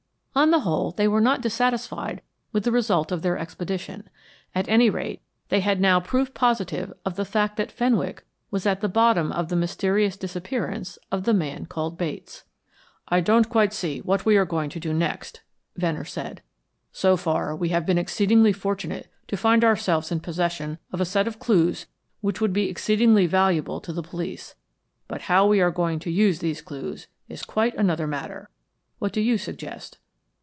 On the whole, they were not dissatisfied with the result of their expedition. At any rate, they had now proof positive of the fact that Fenwick was at the bottom of the mysterious disappearance of the man called Bates. "I don't quite see what we are going to do next," Venner said. "So far, we have been exceedingly fortunate to find ourselves in possession of a set of clues which would be exceedingly valuable to the police. But how are we going to use these clues is quite another matter. What do you suggest?"